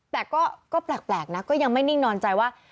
แต่ก็แปลกนะก็ยังไม่นิ่งนอนใจว่า